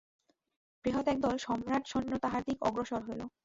বৃহৎ একদল সম্রাট-সৈন্য তাঁহার দিকে অগ্রসর হইল।